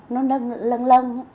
nó lưng lưng